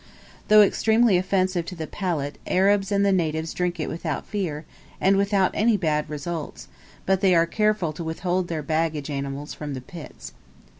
Though extremely offensive to the palate, Arabs and the natives drink it without fear, and without any bad results; but they are careful to withhold their baggage animals from the pits.